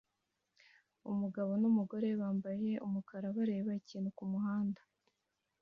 Umugabo numugore bambaye umukara bareba ikintu kumuhanda